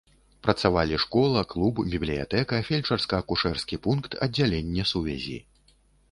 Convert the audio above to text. Працавалі школа, клуб, бібліятэка, фельчарска-акушэрскі пункт, аддзяленне сувязі.